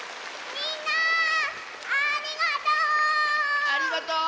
みんなありがとう！